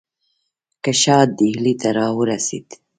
که شاه ډهلي ته را ورسېد.